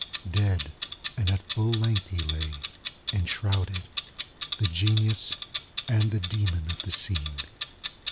Dead, and at full length he lay, enshrouded; the genius and the demon of the scene.